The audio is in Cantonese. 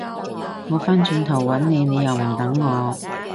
我返轉頭搵你，你又唔等我